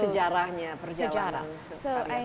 dan sejarahnya perjalanan